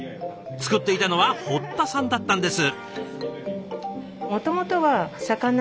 作っていたのは堀田さんだったんです。